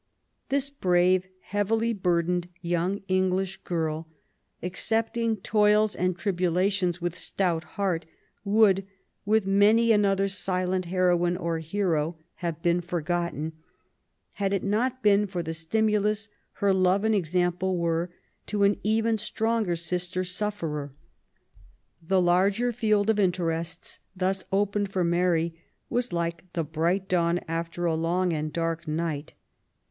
This brave, heavily burdened young English girl, accepting toils and tribulations with stout heart, would, with many another silent heroine or hero, have 16 MABY W0LL8T0NECBAFT GODWIN. been forgotten, had it not been for the stimulus her love and example were to an even stronger sister sufferer. The larger field of interests thus opened for Mary was like the bright dawn after a long and dark night.